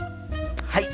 はい！